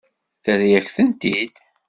Terra-yak-tent-id?